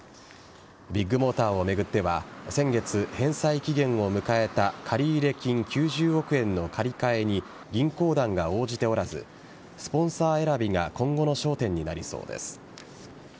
ビッグモーターを巡っては先月、返済期限を迎えた借入金９０億円の借り換えに銀行団が応じておらずスポンサー選びが今後の焦点になりそうです。